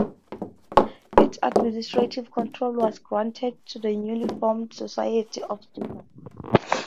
Its administrative control was granted to the newly formed Society of Jesus.